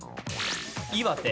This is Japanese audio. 岩手。